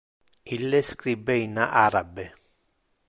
Ille scribe in arabe.